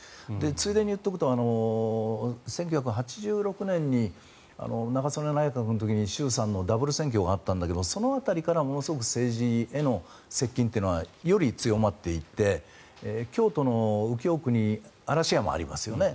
ついでに言っておくと１９８６年に中曽根内閣の時に衆参のダブル選挙があったんだけどその辺りからものすごく政治への接近というのはより強まっていって京都の右京区に嵐山がありますよね。